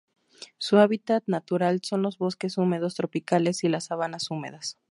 Su hábitat natural son los bosques húmedos tropicales y las sabanas húmedas.